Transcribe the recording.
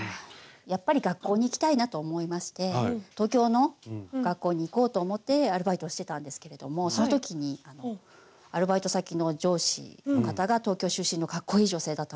やっぱり学校に行きたいなと思いまして東京の学校に行こうと思ってアルバイトをしてたんですけれどもその時にアルバイト先の上司の方が東京出身のかっこいい女性だったんですけど。